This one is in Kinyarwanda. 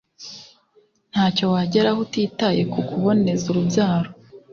ntacyo wageraho utitaye ku kuboneza urubyaro